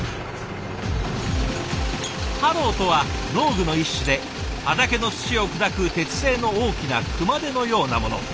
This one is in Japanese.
ハローとは農具の一種で畑の土を砕く鉄製の大きな熊手のようなもの。